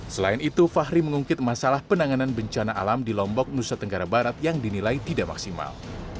selain itu fahri mengungkit masalah penanganan bencana alam di lombok nusa tenggara barat yang dinilai tidak maksimal